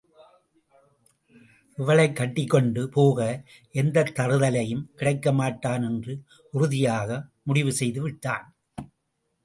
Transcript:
இவளைக் கட்டிக்கொண்டு போக எந்தத் தறுதலையும் கிடைக்க மாட்டான் என்று உறுதியாக முடிவு செய்துவிட்டான்.